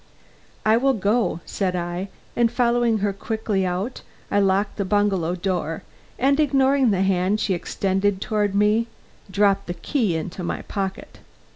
"I will go," said I; and following her quickly out, I locked the bungalow door, and ignoring the hand she extended toward me, dropped the key into my pocket.